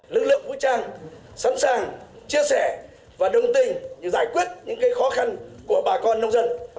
lực lượng vũ trang sẵn sàng chia sẻ và đồng tình để giải quyết những khó khăn của bà con nông dân